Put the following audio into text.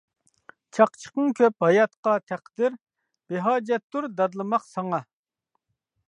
چاقچىقىڭ كۆپ ھاياتقا تەقدىر، بىھاجەتتۇر دادلىماق ساڭا.